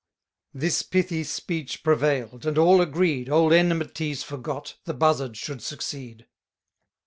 This pithy speech prevail'd, and all agreed, Old enmities forgot, the Buzzard should succeed.